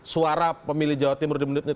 suara pemilih jawa timur di menit ini